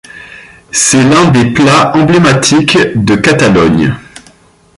C'est l'un des plats emblématiques de Catalogne.